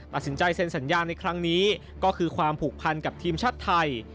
ตัดสินใจเซ็นสัญญาในครั้งนี้ก็คือความผูกพันกับทีมชาติไทย